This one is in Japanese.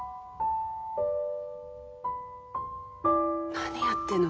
何やってんの？